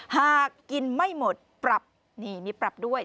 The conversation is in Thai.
หากกินไม่หมดปรับนี่มีปรับด้วย